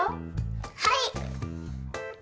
はい！